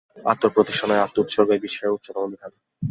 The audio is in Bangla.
আত্মপ্রতিষ্ঠা নয়, আত্মোৎসর্গই বিশ্বের উচ্চতম বিধান।